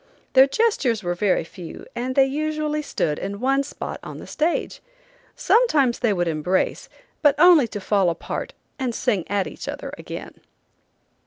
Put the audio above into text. Their gestures were very few, and they usually stood in one spot on the stage. Sometimes they would embrace, but only to fall apart and sing at each other again.